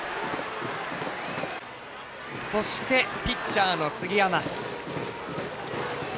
そして、ピッチャーの杉山。